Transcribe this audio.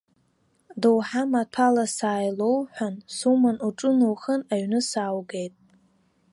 Доуҳа-маҭәала сааилоуҳәан, суман уҿыноухан, аҩны сааугеит.